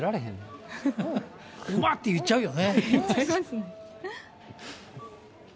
うわって言っちゃうよね。